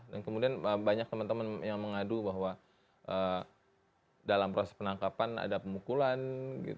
dan kemudian banyak teman teman yang mengadu bahwa dalam proses penangkapan ada pemukulan gitu